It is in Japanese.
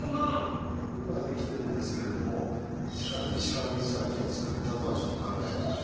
よくはできてるんですけれども一から石川光明が作ったとはちょっと考えにくい。